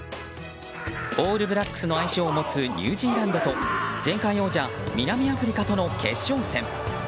オールブラックスの愛称を持つニュージーランドと前回王者・南アフリカとの決勝戦。